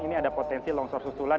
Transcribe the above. ini ada potensi longsor susulan